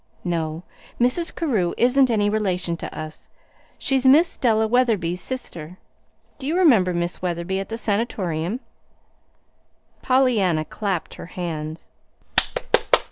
No, Mrs. Carew isn't any relation to us. She's Miss Della Wetherby's sister. Do you remember Miss Wetherby at the Sanatorium?" Pollyanna clapped her hands.